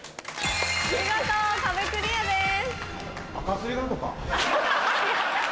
見事壁クリアです。